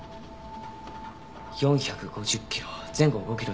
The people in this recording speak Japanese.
４５０キロ前後５キロです。